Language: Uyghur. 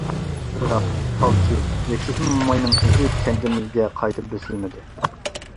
بىراق پالچى يەكچەشمە موماينىڭ ئىزى كەنتىمىزگە قايتا بېسىلمىدى.